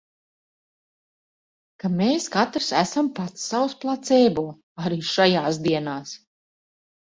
Ka mēs katrs esam pats savs placebo – arī šajās dienās!